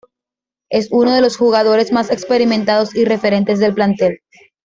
Es uno de los jugadores más experimentados y referentes del plantel.